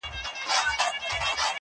دلته کښى مالګى دوړوى په پرهرونو خلق